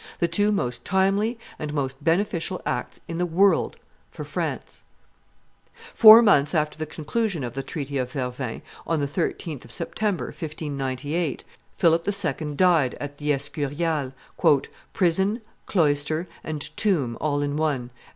the two most timely and most beneficial acts in the world for France. Four months after the conclusion of the treaty of Vervins, on the 13th of September, 1598, Philip II. died at the Escurial, "prison, cloister, and tomb all in one," as M.